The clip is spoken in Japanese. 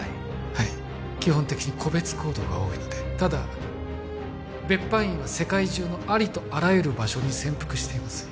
はい基本的に個別行動が多いのでただ別班員は世界中のありとあらゆる場所に潜伏しています